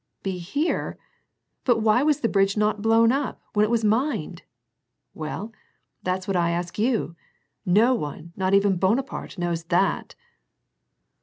" Be here ? But why was the bridge not blown up, when it was mined ?" "Well, that's what I ask you. No one, not even Bonaparte knows that."